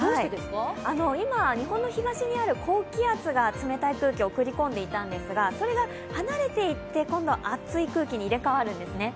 今、日本の東にある高気圧が冷たい空気を送り込んでいたんですがそれが離れていって、今度は熱い空気に入れ替わるんですね。